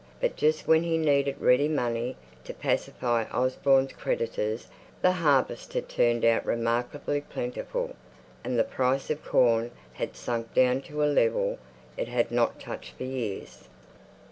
But just when he needed ready money to pacify Osborne's creditors, the harvest had turned out remarkably plentiful, and the price of corn had sunk down to a level it had not touched for years.